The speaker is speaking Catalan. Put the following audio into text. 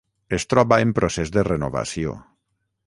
Es troba en procés de renovació.